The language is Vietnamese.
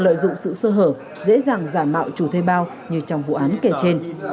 lợi dụng sự sơ hở dễ dàng giả mạo chủ thuê bao như trong vụ án kể trên